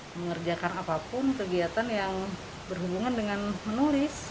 mengerjakan apapun kegiatan yang berhubungan dengan menulis